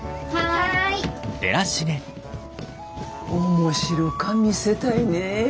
面白か店たいね。